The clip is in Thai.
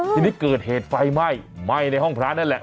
ทีนี้เกิดเหตุไฟไหม้ไหม้ในห้องพระนั่นแหละ